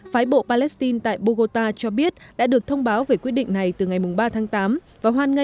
phái bộ palestine tại bogota cho biết đã được thông báo về quyết định này từ ngày ba tháng tám